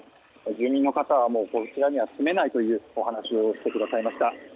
住民の方は、もうこちらには住めないというお話をしてくださいました。